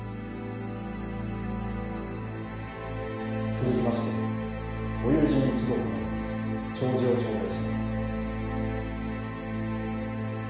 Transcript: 続きましてご友人一同さまより弔辞を頂戴します。